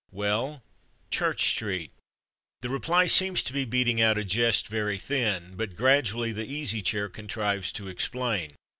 "Well, Church Street." The reply seems to be beating out a jest very thin; but gradually the Easy Chair contrives to explain.